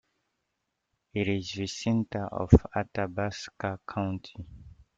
It is the centre of Athabasca County.